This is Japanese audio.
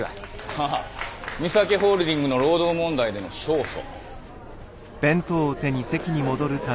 ああミサキホールディングの労働問題での勝訴。